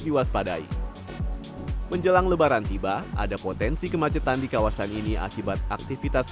diwaspadai menjelang lebaran tiba ada potensi kemacetan di kawasan ini akibat aktivitas